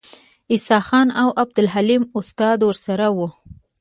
عیسی خان او عبدالحلیم استاد ورسره وو.